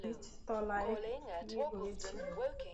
নিচতলায় কী হয়েছিল?